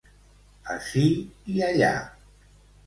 Ací i allà.